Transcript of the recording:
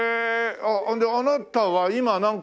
であなたは今なんか？